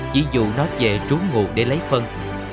chỉ dụ nó về trú ngủ để lấy phân